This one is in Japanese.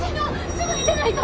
すぐに出ないと。